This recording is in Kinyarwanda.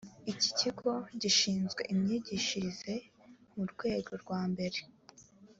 ikikigo gishinzwe imyigishirize mu rwego rwambere